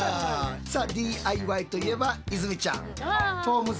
さあＤＩＹといえば泉ちゃん。